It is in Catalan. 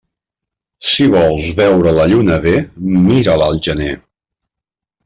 Si vols veure la Lluna bé, mira-la al gener.